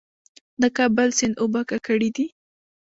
د کابل سیند اوبه ککړې دي؟